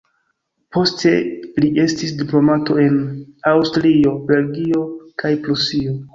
Poste li estis diplomato en Aŭstrio, Belgio kaj Prusio.